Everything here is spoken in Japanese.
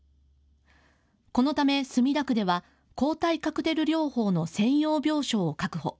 このため墨田区では抗体カクテル療法の専用病床を確保。